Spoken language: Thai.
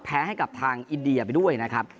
ให้กับทางอินเดียไปด้วยนะครับ